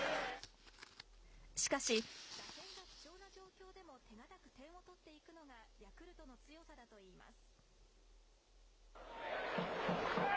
しかし、打線が不調な状況でも手堅く点を取っていくのがヤクルトの強さだといいます。